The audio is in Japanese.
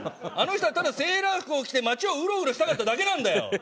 あの人はただセーラー服を着て街をウロウロしたかっただけなんだよ。